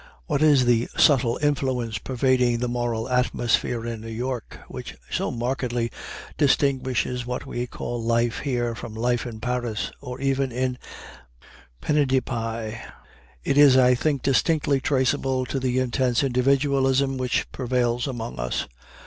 What is the subtle influence pervading the moral atmosphere in New York, which so markedly distinguishes what we call life here from life in Paris or even in Pennedepie? It is, I think, distinctly traceable to the intense individualism which prevails among us.